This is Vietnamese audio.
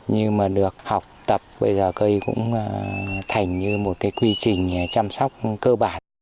nhưng mà được học tập bây giờ cây cũng thành như một cái quy trình chăm sóc cơ bản